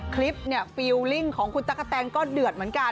คลิปฟิวลิงของคุณตะกะแตนก็เดือดเหมือนกัน